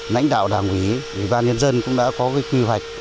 lãnh đạo đảng ủy ủy ban nhân dân cũng đã có quy hoạch